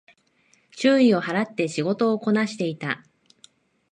注意を払って仕事をこなしていた